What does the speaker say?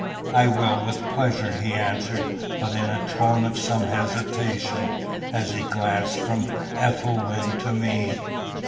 "I will with pleasure," he answered, but in a tone of some hesitation, as he glanced from Ethelwyn to me.